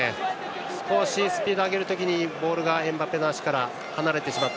少しスピードを上げる時ボールがエムバペの足から離れた。